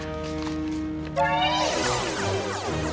pake pagi saya ada di mana